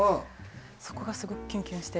そこが、すごくキュンキュンして。